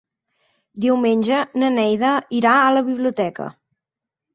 Diumenge na Neida irà a la biblioteca.